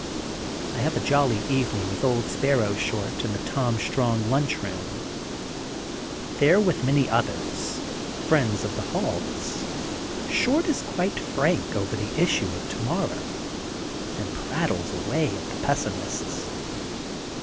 I have a jolly evening with Old Sparrow Short in the Tom Strong Lunch Boom. There with many others, friends of the halls, Short is quite frank over the issue of tomorrow and prattles away at the pessimists.